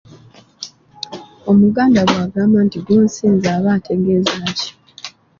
Omuganda bw'agamba nti “Gusinze”, aba ategeeza ki?